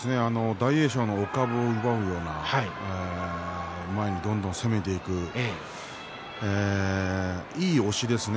大栄翔のお株を奪うような突っ張りを前にどんどん攻めるようないい押しですね。